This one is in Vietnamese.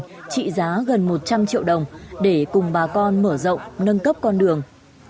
trị giá gần một trăm linh triệu đồng để cùng bà con mở rộng nâng cấp con đường